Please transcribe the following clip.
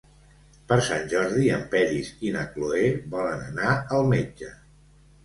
Per Sant Jordi en Peris i na Cloè volen anar al metge.